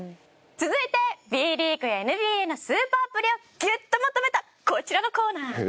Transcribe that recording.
続いてＢリーグＮＢＡのスーパープレーをギュッとまとめたこちらのコーナー！